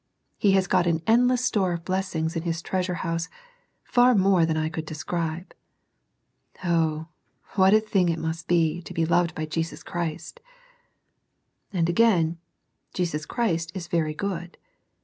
He has got an endless store of blessings in His treasure house, far more than I could describe. Oh, what a thing it must be to be loved by Jesus Christ I And again, Jesus Christ is very good.